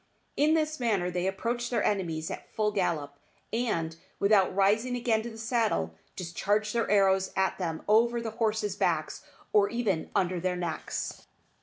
In this manner they approach their enemies at full gallop, and, without rising again to the saddle, discharge their arrows at them over the horses' backs, or even under their necks.